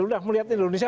sudah melihat indonesia